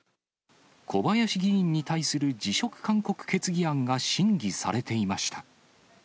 小林議員に対する辞職勧告決議案が審議されていました。